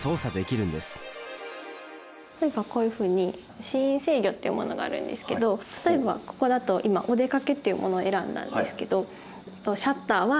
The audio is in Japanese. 例えばこういうふうにシーン制御っていうものがあるんですけど例えばここだと今「おでかけ」っていうものを選んだんですけどシャッターは閉めます。